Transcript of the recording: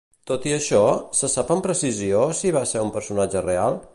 Tot i això, se sap amb precisió si va ser un personatge real?